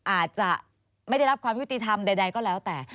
อาจจะไม่ได้รับความยุติธรรมใดก็แล้วแต่